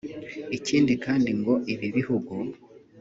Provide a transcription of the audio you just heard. ikindi kandi ngo ibi bihugu